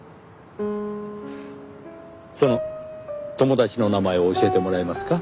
その友達の名前を教えてもらえますか？